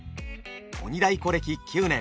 鬼太鼓歴９年。